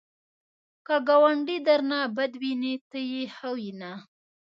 که ګاونډی درنه بد ویني، ته یې ښه وینه